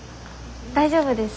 大丈夫です。